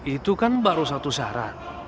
itu kan baru satu syarat